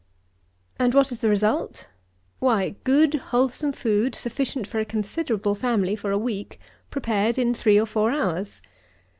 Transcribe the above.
107. And what is the result? Why, good, wholesome food, sufficient for a considerable family for a week, prepared in three or four hours.